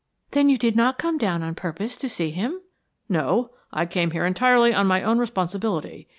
"Then you did not come down on purpose to see him?" "No, I came here entirely on my own responsibility.